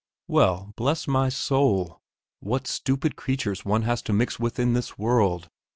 Well, bless my soul, what stupid creatures one has to mix with in this world!